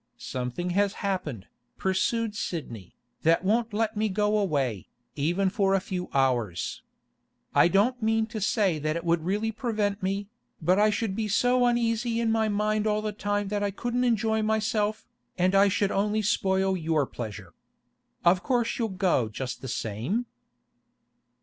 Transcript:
'Something has happened,' pursued Sidney, 'that won't let me go away, even for a few hours. I don't mean to say that it would really prevent me, but I should be so uneasy in my mind all the time that I couldn't enjoy myself, and I should only spoil your pleasure. Of course you'll go just the same?